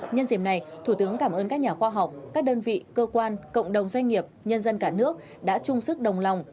nhân dịp này thủ tướng cảm ơn các nhà khoa học các đơn vị cơ quan cộng đồng doanh nghiệp nhân dân cả nước đã chung sức đồng lòng